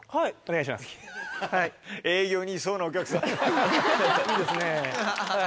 いいですねはい。